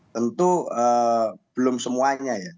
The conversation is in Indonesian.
tentu belum semuanya ya